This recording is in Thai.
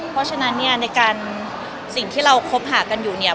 เพราะฉะนั้นเนี่ยในการสิ่งที่เราคบหากันอยู่เนี่ย